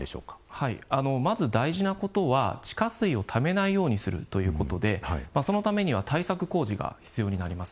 まず大事なことは地下水をためないようにするということでそのためには対策工事が必要になります。